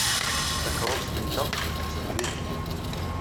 Takeṛṛust-nteɣ attan dihin.